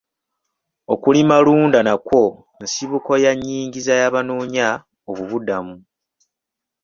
Okulimalunda nakwo nsibuko ya nyingiza ey'abanoonyi b'obubuddamu.